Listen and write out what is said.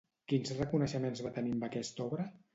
Quins reconeixements va tenir amb aquesta obra?